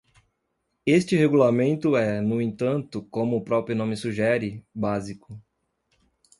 Este regulamento é, no entanto, como o próprio nome sugere, básico.